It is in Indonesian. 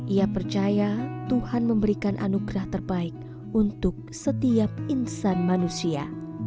ia percaya tuhan memberikan anugerah terbaik untuk setiap insan manusia